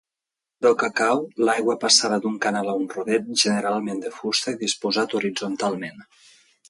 Del cacau, l'aigua passava d'un canal a un rodet generalment de fusta i disposat horitzontalment.